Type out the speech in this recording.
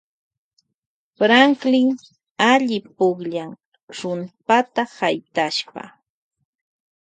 Franklin alli pukllan rumpata haytashpa.